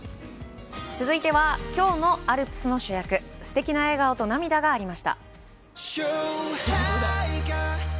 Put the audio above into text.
続いては、きょうのアルプスの主役、すてきな笑顔と涙がありました。